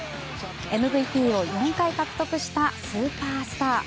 ＭＶＰを４回獲得したスーパースター。